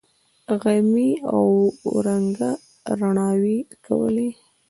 غمي اوه رنگه رڼاوې کولې.